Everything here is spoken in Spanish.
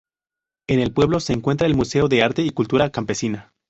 En el pueblo se encuentra el "Museo de arte y cultura campesina.